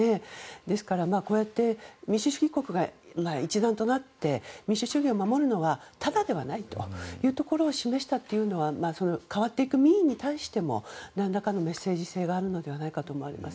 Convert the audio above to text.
ですから民主主義国が一丸となって民主主義を守るのがタダではないことを示したというのが変わっていく民意に対しても何らかのメッセージ性があるのではないかと思われます。